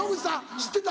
知ってた？